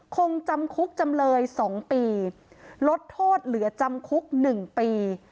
คงจำคุกจำเลย๒ปีลดโทษเหลือจำคุก๑ปี